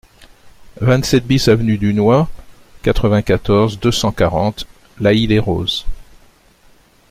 vingt-sept BIS avenue Dunois, quatre-vingt-quatorze, deux cent quarante, L'Haÿ-les-Roses